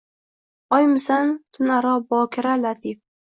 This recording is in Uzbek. Oymisan, tun aro bokira, latif